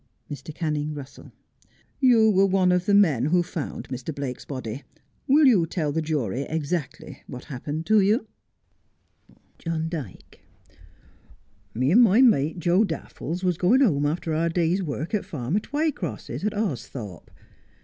Mr. Canning Russell : You were one of the men who found Mr. Blake's body. "Will you tell the jury exactly what happened to you 1 John Dyke : Me and my mate, Joe Daffies, was going home after our day's work at Farmer Twycross's at Austhorpe.